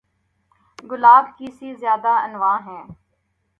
گلاب کی سے زیادہ انواع ہیں